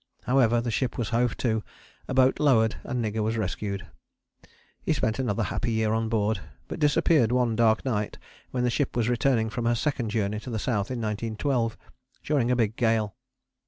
However, the ship was hove to, a boat lowered, and Nigger was rescued. He spent another happy year on board, but disappeared one dark night when the ship was returning from her second journey to the South in 1912, during a big gale.